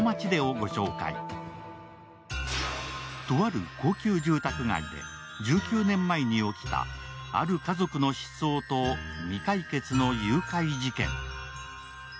とある高級住宅街で１９年前に起きたある家族の失踪と未解決の誘拐事件。